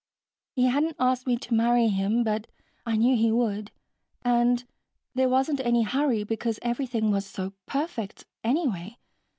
"He hadn't asked me to marry him, but I knew he would, and there wasn't any hurry, because everything was so perfect, anyway.